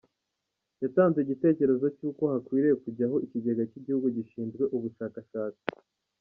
Yatanze igitekerezo cy’uko hakwiriye kujyaho ikigega cy’igihugu gishinzwe ubushakashatsi.